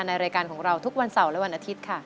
ในรายการของเราทุกวันเสาร์และวันอาทิตย์ค่ะ